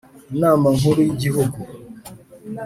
Inama nkuru y igihugu